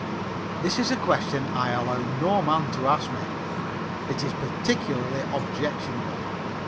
This is a question I allow no man to ask me. It is particularly objectionable.